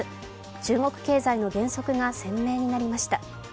中国経済の減速が鮮明になりました。